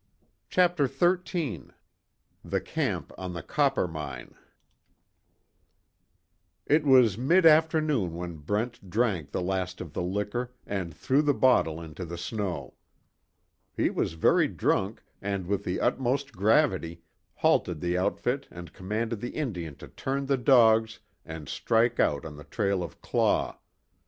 CHAPTER XIII THE CAMP ON THE COPPERMINE It was mid afternoon when Brent drank the last of the liquor and threw the bottle into the snow. He was very drunk, and with the utmost gravity, halted the outfit and commanded the Indian to turn the dogs and strike out on the trail of Claw.